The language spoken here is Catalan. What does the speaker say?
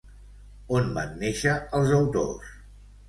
On van néixer els autors?